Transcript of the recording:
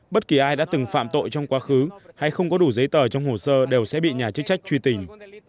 bất kỳ ai đã từng phạm tội trong quá khứ hay không có đủ giấy tờ trong hồ sơ đều sẽ bị nhà chức trách truy tình